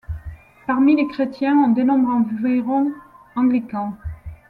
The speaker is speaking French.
Parmi les chrétiens, on dénombre environ anglicans.